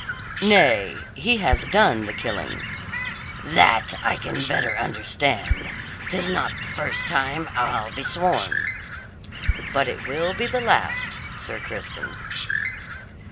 "Nay, he has done the killing." "That I can better understand. 'Tis not the first time, I'll be sworn." "But it will be the last, Sir Crispin."